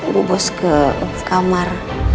bu bos ke kamar